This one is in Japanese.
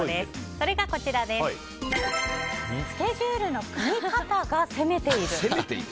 それがこちら、スケジュールの組み方が攻めている。